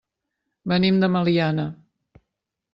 Venim de Meliana.